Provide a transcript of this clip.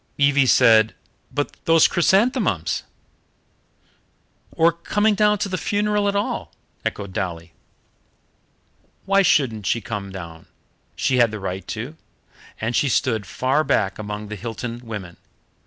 Evie said: "But those chrysanthemums " "Or coming down to the funeral at all " echoed Dolly. "Why shouldn't she come down? She had the right to, and she stood far back among the Hilton women.